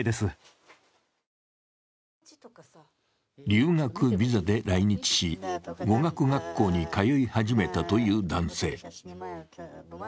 留学ビザで来日し、語学学校に通い始めたという男性。